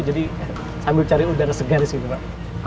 jadi sambil cari udara segar disini pak